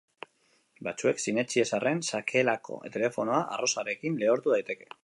Batzuek sinetsi ez arren, sakelako telefonoa arrozarekin lehortu daiteke.